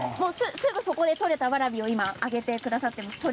すぐそばで採れたわらびを揚げてくださっています。